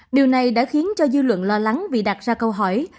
điều này đã khiến cho dư luận lo lắng vì đặt ra câu hỏi